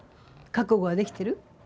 覚悟はできてる？